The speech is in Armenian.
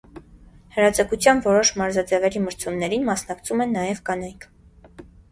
Հրաձգության որոշ մարզաձևերի մրցումներին մասնակցում են նաև կանայք։